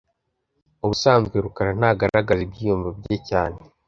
Ubusanzwe rukara ntagaragaza ibyiyumvo bye cyane. .